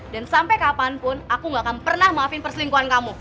dan sampai kapanpun aku gak akan pernah maafin perselingkuhan kamu